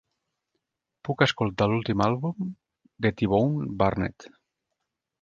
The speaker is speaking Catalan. puc escoltar l'últim àlbum de T-bone Burnett